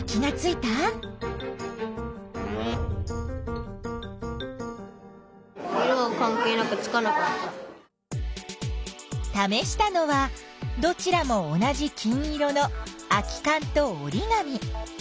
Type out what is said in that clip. ためしたのはどちらも同じ金色の空きかんとおりがみ。